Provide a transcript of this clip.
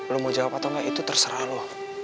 lo mau jawab atau enggak itu terserah lo